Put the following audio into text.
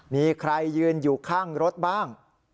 มีใครยืนอยู่ข้างรถบ้าง